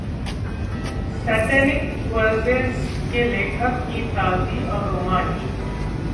satanic Verses के लेखक की त्रासदी और रोमांच